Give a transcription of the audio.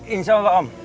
insya allah om